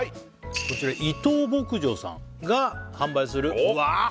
こちら伊藤牧場さんが販売するうわっ！